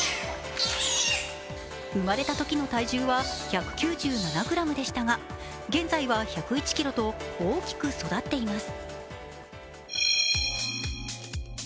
生まれたときの体重は１９７ｇでしたが現在は１０１ｋｇと大きく育っています。